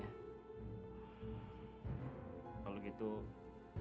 tunggu jawaban secepatnya